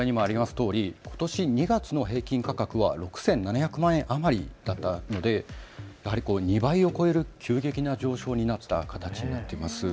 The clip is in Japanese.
とおりことし２月の平均価格は６７００万円余りだったので２倍を超える急激な上昇になった形になっています。